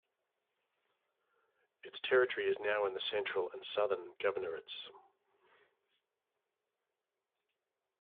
Its territory is now in the Central and Southern Governorates.